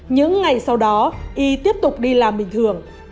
những ngày sau đó y tiếp tục đi làm bình thường